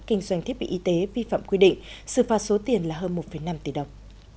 kinh doanh thiết bị y tế vi phạm quy định xử phạt số tiền là hơn một năm tỷ đồng